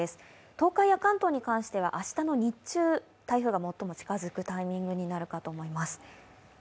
東海や関東に関しては明日の日中、台風が最も近づくタイミングになるかと思います。